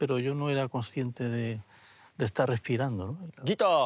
ギター